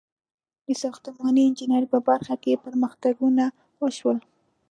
• د ساختماني انجینرۍ په برخه کې پرمختګونه وشول.